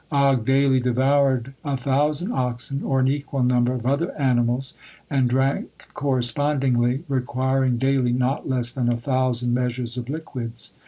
Og daily devoured a thousand oxen or an equal number of other animals, and drank correspondingly, requiring daily not less than a thousand measures of liquids.